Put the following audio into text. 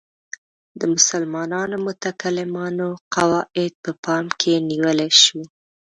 د مسلمانو متکلمانو قواعد په پام کې نیول شو.